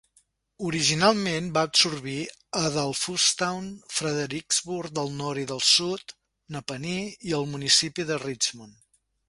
Originalment, va absorbir Adolphustown, Fredericksburgh del Nord i del Sud, Napanee i el municipi de Richmond.